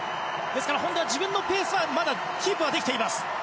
ですから、本多は自分のペースをキープはできています。